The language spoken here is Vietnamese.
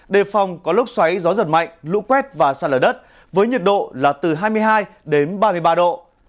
đề phòng có lốc xoáy gió giật mạnh lũ quét và xa lở đất với nhiệt độ là từ hai mươi hai đến ba mươi ba độ